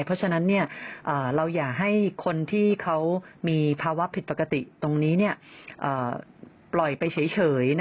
เพราะฉะนั้นเราอย่าให้คนที่เขามีภาวะผิดปกติตรงนี้ปล่อยไปเฉย